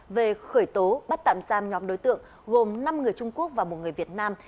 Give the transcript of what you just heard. về khởi tố bắt tạm giam nhóm đối tượng gồm năm người trung quốc và một người việt nam